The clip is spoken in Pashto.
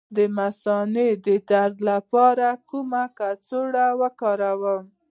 د مثانې د درد لپاره کومه کڅوړه وکاروم؟